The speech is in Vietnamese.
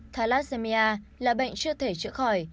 thalassemia là bệnh chưa thể chữa khỏi